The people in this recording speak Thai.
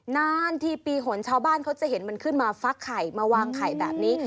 นานทีปีหนชาวบ้านเขาจะเห็นมันขึ้นมาฟักไข่มาวางไข่แบบนี้